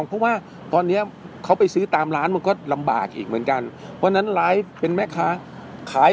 เพราะว่าตอนเนี้ยเขาไปซื้อตามร้านมันก็ลำบากอีกเหมือนกันวันนั้นไลฟ์เป็นแม่ค้าขาย